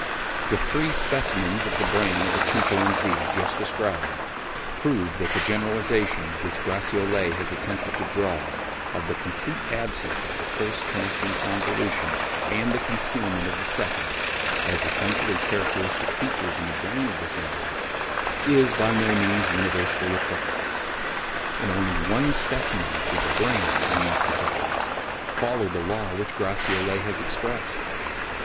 "The three specimens of the brain of a chimpanzee, just described, prove, that the generalisation which Gratiolet has attempted to draw of the complete absence of the first connecting convolution and the concealment of the second, as essentially characteristic features in the brain of this animal, is by no means universally applicable. In only one specimen did the brain, in these particulars, follow the law which Gratiolet has expressed.